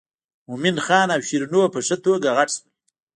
مومن خان او شیرینو په ښه توګه غټ شول.